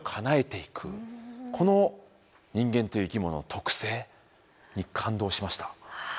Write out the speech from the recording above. この人間という生き物の特性に感動しました。